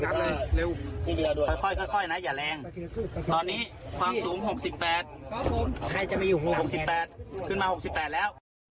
ใครจะไม่อยู่๖๘ขึ้นมา๖๘แล้ว